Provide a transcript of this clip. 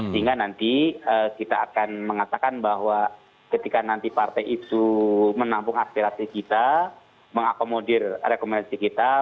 sehingga nanti kita akan mengatakan bahwa ketika nanti partai itu menampung aspirasi kita mengakomodir rekomendasi kita